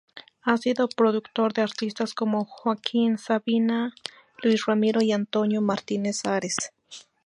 Ha sido productor de artistas como Joaquín Sabina, Luis Ramiro y Antonio Martínez Ares.